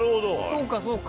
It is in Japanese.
そうかそうか。